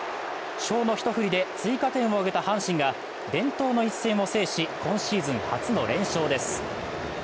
主砲の一振りで追加点を挙げた阪神が伝統の一戦を制し、今シーズン初の連勝です。